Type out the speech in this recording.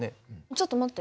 ちょっと待って。